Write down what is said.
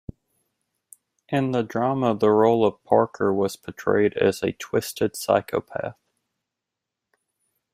In the drama the role of Parker was portrayed as a "twisted psychopath".